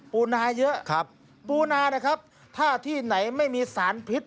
ปูนาเยอะครับปูนานะครับถ้าที่ไหนไม่มีสารพิษ